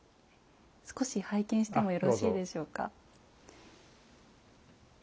少し拝見してもよろしいでしょうか。